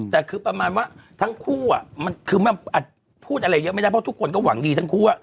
แต่คือประมาณว่าทั้งคู่มันคือมันอาจพูดอะไรเยอะไม่ได้เพราะทุกคนก็หวังดีทั้งคู่